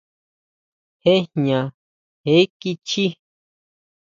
Jé jña jé kichjí.